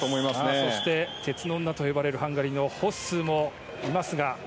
そして鉄の女と呼ばれるハンガリーのホッスーもいますが。